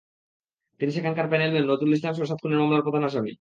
তিনি সেখানকার panel mayor Nazrul ইসলামসহ সাত খুনের মামলার প্রধান আসামি।